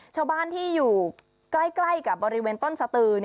ชาวบ้านที่อยู่ใกล้กับบริเวณต้นสตือ